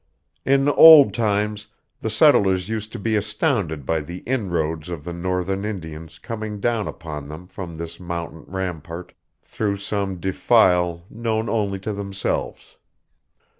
In old times the settlers used to be astounded by the inroads of the northern Indians coming down upon them from this mountain rampart through some defile known only to themselves.